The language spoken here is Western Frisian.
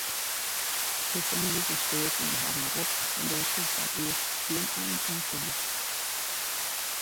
De ferliezen steapelen har mar op en dêr soe foarearst gjin ein oan komme.